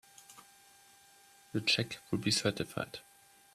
The check will be certified.